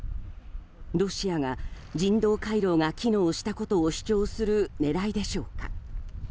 ロシアが人道回廊が機能したことを主張する狙いでしょうか。